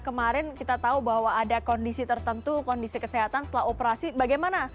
kemarin kita tahu bahwa ada kondisi tertentu kondisi kesehatan setelah operasi bagaimana